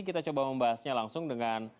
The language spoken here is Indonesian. kita coba membahasnya langsung dengan